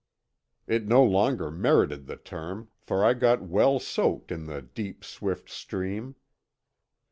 It no longer merited the term, for I got well soaked in the deep, swift stream.